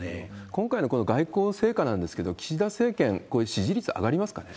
今回のこの外交成果なんですけれども、岸田政権、支持率上がりますかね？